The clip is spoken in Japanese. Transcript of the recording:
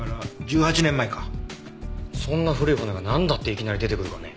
そんな古い骨がなんだっていきなり出てくるかね？